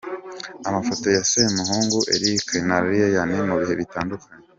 Amafoto ya Semuhungu Eric na Ryan mu bihe bitandukanye.